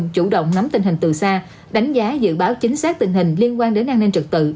chủ động nắm tình hình từ xa đánh giá dự báo chính xác tình hình liên quan đến an ninh trực tự